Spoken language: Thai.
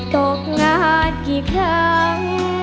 ตกงานกี่ครั้ง